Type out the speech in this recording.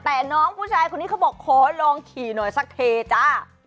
แต่น้องผู้ชายคนนี้เขาบอกขอลองขี่หน่อยสักทีจ้า